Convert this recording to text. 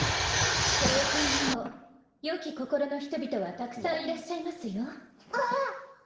教会にも良き心の人々はたくさんいらっしゃいますよあっ！